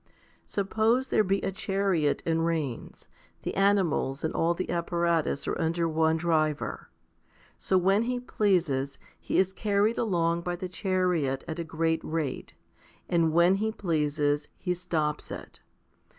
Suppose there be a chariot and reins ; the animals and all the apparatus are under one driver ; so when he pleases, he is carried along by the chariot at a great rate, and when he pleases, he stops it.